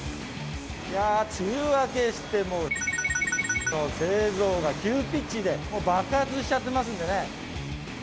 いやー、梅雨明けしてもう、×××の製造が急ピッチで、もう爆発しちゃってますんでね。